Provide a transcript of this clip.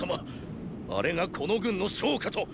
あれがこの軍の将かと！